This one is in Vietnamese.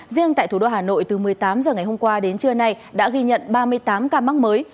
riêng tại thủ đô hà nội từ một mươi tám h ngày hôm qua đến trưa nay đã ghi nhận ba mươi tám ca mắc mới